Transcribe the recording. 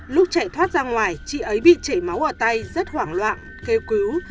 lúc chạy thoát ra ngoài chị ấy bị chảy máu ở tay rất hoảng loạn kêu cứu